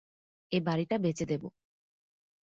এ বাড়িটা বেচে দেব।